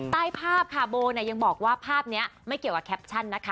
ใต้ภาพค่ะโบเนี่ยยังบอกว่าภาพนี้ไม่เกี่ยวกับแคปชั่นนะคะ